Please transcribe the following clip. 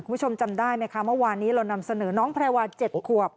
คุณผู้ชมจำได้ไหมคะเมื่อวานนี้เรานำเสนอน้องแพรวา๗ขวบ